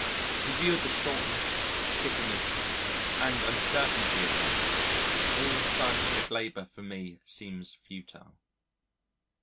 In view of the shortness, bitterness, and uncertainty of life, all scientific labour for me seems futile.